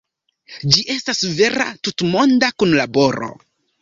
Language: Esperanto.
Ĝi estas vera tutmonda kunlaboro.